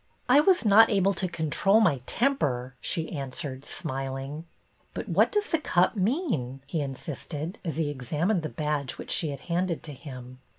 " I was not able to control my temper," she answered, smiling. " But what does the cup mean .?" he in sisted, as he examined the badge which she had handed to him.